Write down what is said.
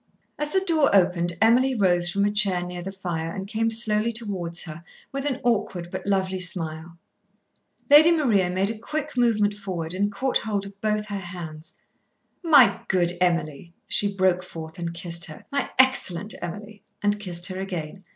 As the door opened Emily rose from a chair near the fire and came slowly towards her, with an awkward but lovely smile. Lady Maria made a quick movement forward and caught hold of both her hands. "My good Emily," she broke forth and kissed her. "My excellent Emily," and kissed her again.